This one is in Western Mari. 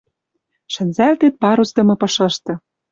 шӹнзӓлтет парусдым пышышты